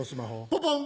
ポポン！